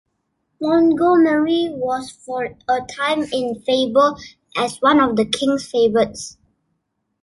Montgomerie was for a time in favour as one of the king's "favourites".